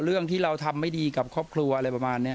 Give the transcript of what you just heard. เรื่องที่เราทำไม่ดีกับครอบครัวอะไรประมาณนี้